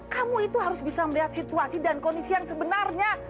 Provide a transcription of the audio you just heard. kamu itu harus bisa melihat situasi dan kondisi yang sebenarnya